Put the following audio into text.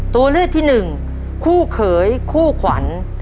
ตัวเลือกที่หนึ่งคู่เขยคู่ขวัญ